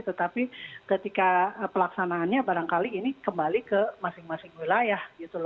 tetapi ketika pelaksanaannya barangkali ini kembali ke masing masing wilayah